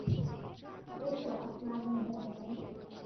এটাইতো আপনার আগ্রহের জায়গা, তাইনা?